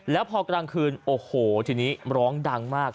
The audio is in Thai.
แล้วพอกลางคืนโอ้โหทีนี้ร้องดังมาก